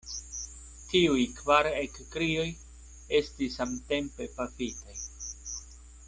Tiuj kvar ekkrioj estis samtempe pafitaj.